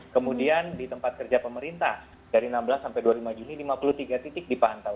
kemudian di tempat kerja pemerintah dari enam belas sampai dua puluh lima juni lima puluh tiga titik dipantau